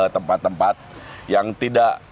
tempat tempat yang tidak